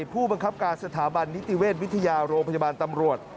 ผู้บังคับการสถาบันนิติเวชวิทยาโรงพยาบาลตำรวจ